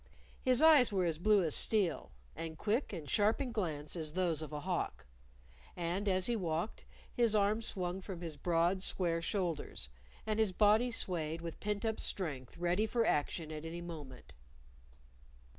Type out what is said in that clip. His eyes were as blue as steel, and quick and sharp in glance as those of a hawk; and as he walked, his arms swung from his broad, square shoulders, and his body swayed with pent up strength ready for action at any moment.